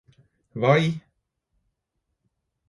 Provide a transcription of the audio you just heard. Hva i...?